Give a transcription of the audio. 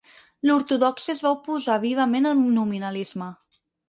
L'ortodòxia es va oposar vivament al nominalisme.